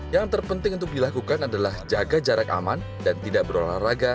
yang terpenting untuk dilakukan adalah jaga jarak aman dan tidak berolahraga